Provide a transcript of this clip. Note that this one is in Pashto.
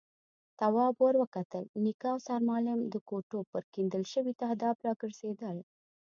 تواب ور وکتل، نيکه او سرمعلم د کوټو پر کېندل شوي تهداب راګرځېدل.